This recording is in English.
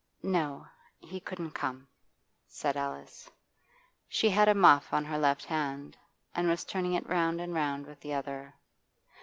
'No, he couldn't come,' said Alice. She had a muff on her left hand, and was turning it round and round with the other.